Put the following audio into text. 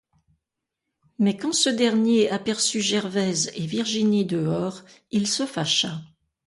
Mais quand ce dernier aperçut Gervaise et Virginie dehors, il se fâcha.